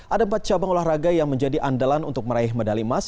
ada empat cabang olahraga yang menjadi andalan untuk meraih medali emas